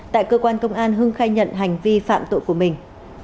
tại cơ quan công an hưng khai nhận hành vi phạm tội của mình